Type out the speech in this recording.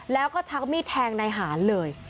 แล้วก็ชักมีดแทงนายหารเลย